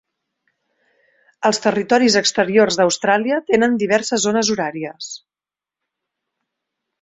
Els territoris exteriors d'Austràlia tenen diverses zones horàries.